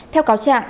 theo cáo trạng